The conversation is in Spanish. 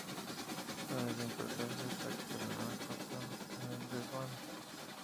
No le dio importancia hasta que lo encontró en el desván.